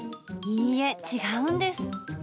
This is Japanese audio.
いいえ、違うんです。